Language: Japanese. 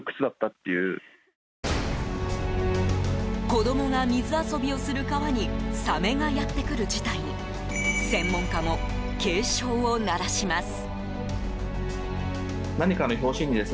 子供が水遊びをする川にサメがやってくる事態に専門家も警鐘を鳴らします。